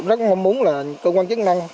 rất mong muốn là cơ quan chức năng